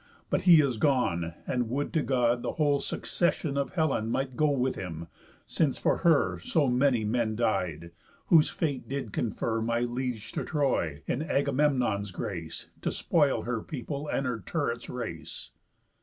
But he is gone, And would to God the whole successión Of Helen might go with him, since for her So many men died, whose fate did confer My liege to Troy, in Agamemnon's grace, To spoil her people, and her turrets race!"